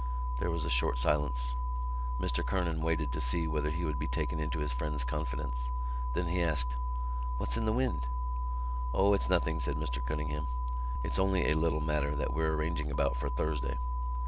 There was a short silence. Mr Kernan waited to see whether he would be taken into his friends' confidence. Then he asked: "What's in the wind?" "O, it's nothing," said Mr Cunningham. "It's only a little matter that we're arranging about for Thursday."